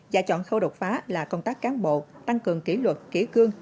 và chọn khâu đột phá là công tác cán bộ tăng cường kỷ luật kỷ cương